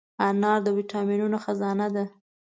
انار د ویټامینونو خزانه ده.